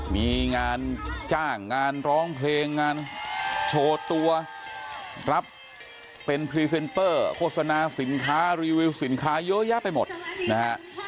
มีงานจ้างงานร้องเพลงงานโชว์ตัวรับเป็นพรีเซนเตอร์โฆษณาสินค้ารีวิวสินค้าเยอะแยะไปหมดนะฮะ